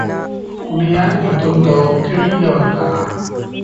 ᱩᱱᱤᱭᱟᱜ ᱧᱩᱛᱩᱢ ᱫᱚ ᱠᱮᱲᱤᱭᱚᱱ ᱠᱟᱱᱟ᱾